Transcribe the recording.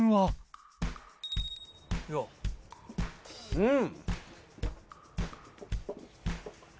うん！